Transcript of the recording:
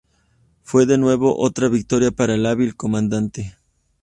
Fue, de nuevo, otra victoria para el hábil comandante.